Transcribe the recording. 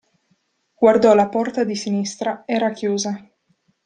Guardò la porta di sinistra: era chiusa.